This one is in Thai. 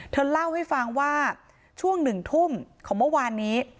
เธอเล่าให้ฟังว่าช่วง๑ทุ่มของเมื่อวานนี้